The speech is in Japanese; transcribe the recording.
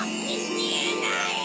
みえない！